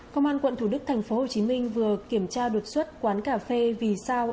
công an quận thủ đức tp hcm vừa kiểm tra đột xuất quán cà phê vì sao